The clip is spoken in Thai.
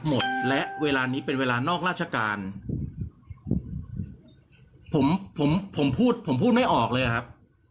หมดและเวลานี้เป็นเวลานอกราชการผมผมพูดผมพูดไม่ออกเลยครับ